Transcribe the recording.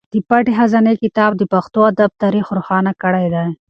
د پټې خزانې کتاب د پښتو ادب تاریخ روښانه کړی دی.